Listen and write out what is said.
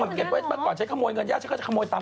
แล้วเขาก็เขียนอย่างจริงจริง